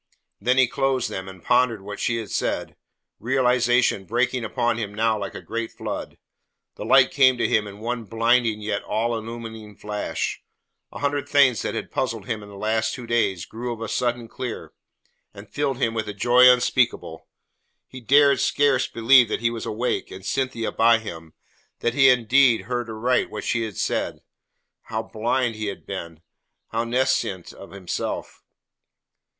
Then he closed them and pondered what she had said, realization breaking upon him now like a great flood. The light came to him in one blinding yet all illuming flash. A hundred things that had puzzled him in the last two days grew of a sudden clear, and filled him with a joy unspeakable. He dared scarce believe that he was awake, and Cynthia by him that he had indeed heard aright what she had said. How blind he had been, how nescient of himself!